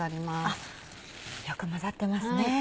あっよく混ざってますね。